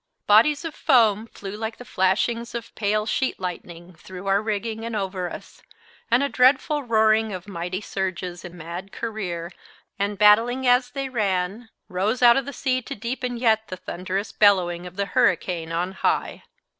Bodies of foam flew like the flashings of pale sheet lightning through our rigging and over us, and a dreadful roaring of mighty surges in mad career, and battling as they ran, rose out of the sea to deepen yet the thunderous bellowing of the hurricane on high.